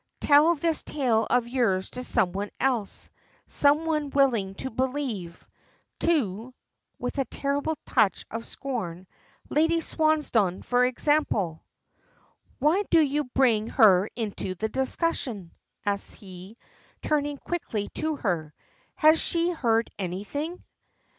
Tell this tale of yours to some one else some one willing to believe to" with a terrible touch of scorn "Lady Swansdown, for example." "Why do you bring her into the discussion?" asks he, turning quickly to her. Has she heard anything?